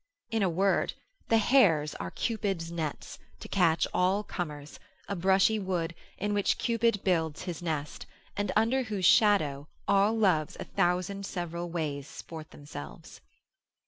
In a word, the hairs are Cupid's nets, to catch all comers, a brushy wood, in which Cupid builds his nest, and under whose shadow all loves a thousand several ways sport themselves.